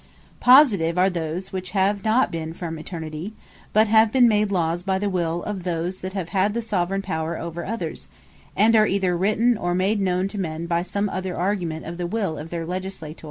Positive, are those which have not been for Eternity; but have been made Lawes by the Will of those that have had the Soveraign Power over others; and are either written, or made known to men, by some other argument of the Will of their Legislator.